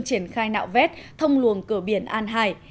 triển khai nạo vét thông luồng cửa biển an hải